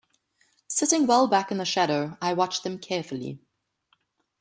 Sitting well back in the shadow I watched them carefully.